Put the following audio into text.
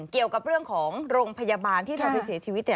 เกี่ยวกับเรื่องของโรงพยาบาลที่เธอไปเสียชีวิต